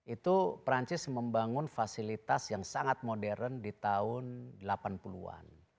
itu perancis membangun fasilitas yang sangat modern di tahun delapan puluh an